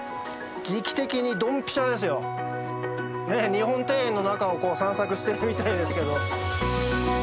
日本庭園の中をこう散策してるみたいですけど。